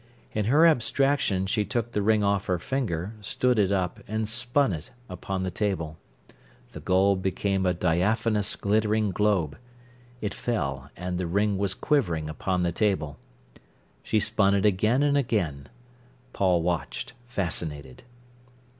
In her abstraction she took the ring off her finger, stood it up, and spun it upon the table. The gold became a diaphanous, glittering globe. It fell, and the ring was quivering upon the table. She spun it again and again. Paul watched, fascinated.